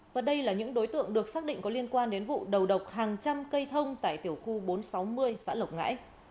và đây là những đối tượng được xác định có liên quan đến vụ đầu độc hàng trăm cây thông tại tiểu khu bốn trăm sáu mươi xã lộc ngãi